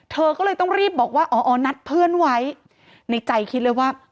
เธอก็เลยต้องรีบบอกว่าอ๋ออ๋อนัดเพื่อนไว้ในใจคิดเลยว่า